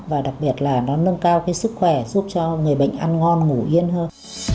và đặc biệt là nó nâng cao cái sức khỏe giúp cho người bệnh ăn ngon ngủ yên hơn